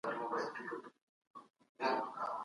د درواغو کیسې د ټولني ذهنیت خرابوي.